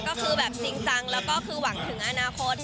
ก็คือแบบจริงจังแล้วก็คือหวังถึงอนาคต